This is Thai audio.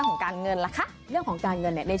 อย่างแรกเลยก็คือการทำบุญเกี่ยวกับเรื่องของพวกการเงินโชคลาภ